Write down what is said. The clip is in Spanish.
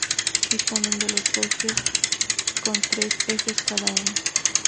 Disponen de dos bogies con tres ejes cada uno.